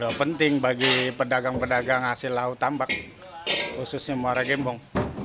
sudah penting bagi pedagang pedagang hasil laut tambak khususnya muara gembong